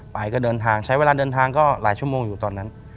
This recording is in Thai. ไปก็เดินทางใช้เวลาเดินทางก็หลายชั่วโมงอยู่ตอนนั้น